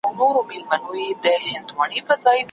که لياقت وي کار سمېږي.